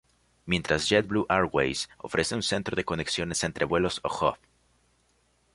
Mientras JetBlue Airways ofrece un centro de conexiones entre vuelos o "hub.